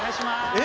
え！